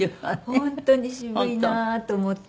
本当に渋いなと思って。